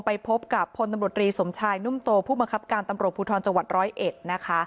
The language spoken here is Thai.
ไปพบกับพลตำรวจรีสมชายนุ่มโตผู้มังคับการตำรวจภูทรจังหวัดร้อยเอ็ดนะคะ